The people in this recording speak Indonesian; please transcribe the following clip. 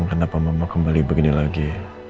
kenapa mama kembali begini lagi